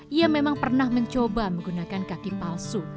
ia memang pernah mencoba menggunakan kaki palsu